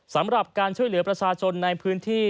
สำหรับการช่วยเหลือประชาชนในพื้นที่